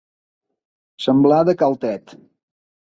Semblar de cal Tet.